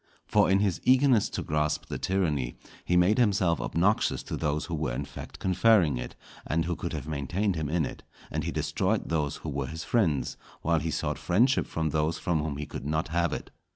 For in his eagerness to grasp the tyranny, he made himself obnoxious to those who were in fact conferring it, and who could have maintained him in it; and he destroyed those who were his friends, while he sought friendship from those from whom he could not have it.